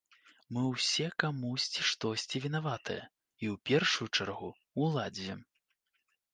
Мы ўсе камусьці штосьці вінаватыя, і ў першую чаргу ўладзе.